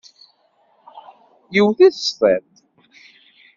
Yewwet-it s tiṭ.